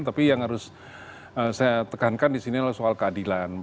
tapi yang harus saya tekankan disini adalah soal keadilan